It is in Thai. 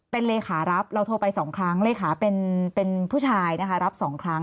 เป็นเลขารับเราโทรไป๒ครั้งเลขาเป็นผู้ชายนะคะรับ๒ครั้ง